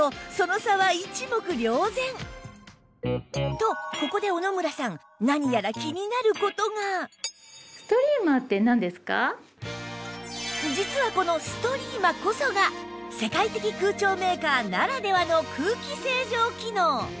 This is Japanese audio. とここで小野村さん実はこの「ストリーマ」こそが世界的空調メーカーならではの空気清浄機能！